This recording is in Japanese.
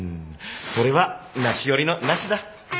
それはなし寄りのなしだ。